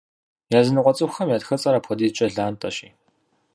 Языныкъуэ цӏыхухэм я тхыцӏэр апхуэдизкӏэ лантӏэщи.